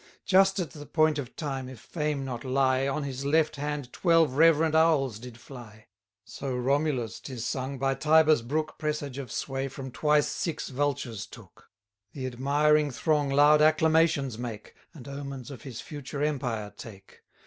Just at the point of time, if fame not lie, On his left hand twelve reverend owls did fly. So Romulus, 'tis sung, by Tiber's brook, 130 Presage of sway from twice six vultures took. The admiring throng loud acclamations make, And omens of his future empire take.